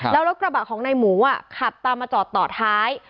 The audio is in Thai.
แล้วรถกระบะของนายหมูขับตามมาจอดต่อท้าย